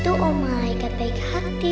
itu om malaikat baik hati